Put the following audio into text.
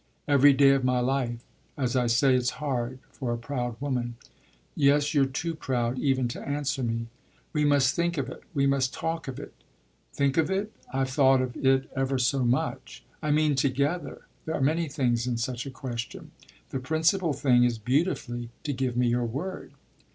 "Every day of my life! As I say, it's hard for a proud woman." "Yes, you're too proud even to answer me." "We must think of it, we must talk of it." "Think of it? I've thought of it ever so much." "I mean together. There are many things in such a question." "The principal thing is beautifully to give me your word."